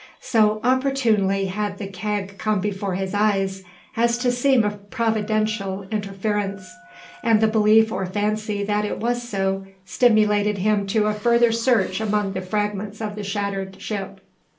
So opportunely had the keg come before his eyes as to seem a Providential interference; and the belief or fancy that it was so stimulated him to a further search among the fragments of the shattered ship.